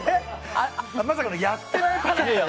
まさかのやってないパターン？